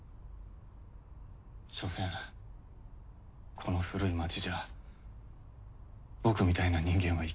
しょせんこの古い町じゃ僕みたいな人間は生きづらい。